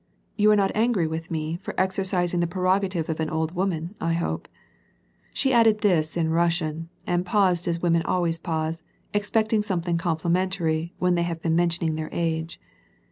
You are not ang^y with me for exer cising the prerogative of an old woman, I hope ?" She added this in Russian, and paused as women always pause, expecting something complimentary, when they have been mentioning their age.